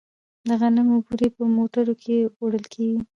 د غنمو بورۍ په موټرو کې وړل کیږي.